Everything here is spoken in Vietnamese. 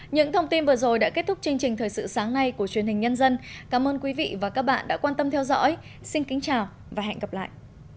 những thông tin vừa rồi đã kết thúc chương trình thời sự sáng nay của truyền hình nhân dân cảm ơn quý vị và các bạn đã quan tâm theo dõi xin kính chào và hẹn gặp lại